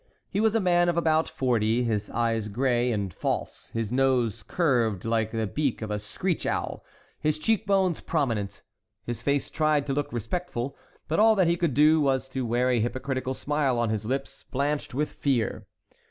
He was a man of about forty, his eyes gray and false, his nose curved like the beak of a screech owl, his cheek bones prominent. His face tried to look respectful, but all that he could do was to wear a hypocritical smile on his lips blanched with fear.